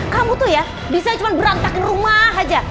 kamu tuh ya bisa cuma berantakin rumah aja